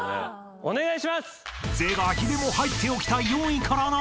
お願いします！